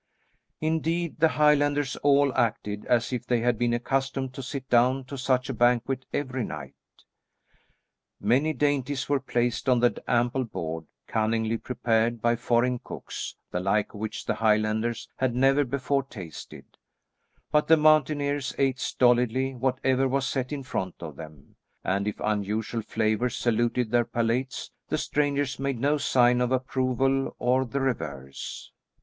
Indeed, the Highlanders all acted as if they had been accustomed to sit down to such a banquet every night. Many dainties were placed on the ample board cunningly prepared by foreign cooks, the like of which the Highlanders had never before tasted; but the mountaineers ate stolidly whatever was set in front of them, and if unusual flavours saluted their palates, the strangers made no sign of approval or the reverse.